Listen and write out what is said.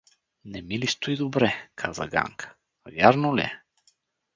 — Не ми ли стои добре? — каза Ганка. — Вярно ли е?